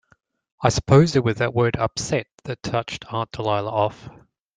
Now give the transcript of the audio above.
I suppose it was that word "upset" that touched Aunt Dahlia off.